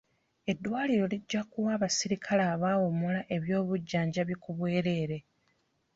Eddwaliro lijja kuwa abaserikale abawummula eby'obujjanjabi ku bwereere.